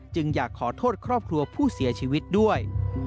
อยากขอโทษครอบครัวผู้เสียชีวิตด้วย